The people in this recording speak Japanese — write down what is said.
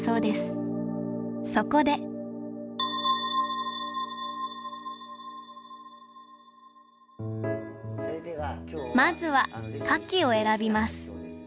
そこでまずは花器を選びます。